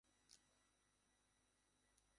ওটা samurai Hank!